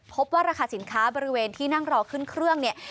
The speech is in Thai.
พบว่าราคาสินค้าบริเวณที่นั่งรอขึ้นเครื่องเนี่ย